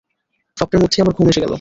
স্বপ্নের মধ্যেই আবার ঘুম এসে গেল।